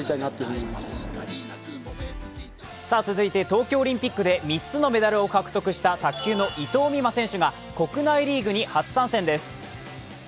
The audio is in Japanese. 東京オリンピックで３つのメダルを獲得した卓球の伊藤美誠選手が国内リーグに初参戦です。